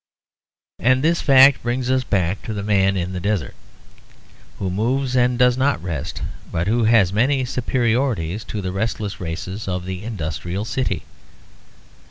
And this fact brings us back to the man of the desert, who moves and does not rest; but who has many superiorities to the restless races of the industrial city.